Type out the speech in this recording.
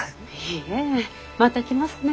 いえまた来ますね。